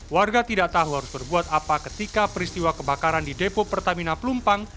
warga tidak tahu harus berbuat apa ketika peristiwa kebakaran di depo pertamina pelumpang